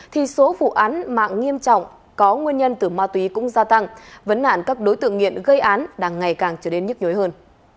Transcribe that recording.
thì số vụ án mạng nghiêm trọng có nguyên nhân từ ma túy cũng gia tăng vấn nạn các đối tượng nghiện gây án đang ngày càng trở nên nhức nhối hơn